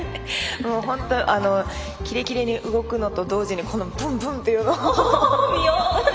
キレキレに動くのと同時にブンブン！っていうのを。